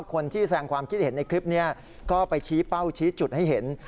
คนที่แสงความคิดเห็นในคลิปนี้ก็ไปชี้เป้าชี้จุดให้เห็น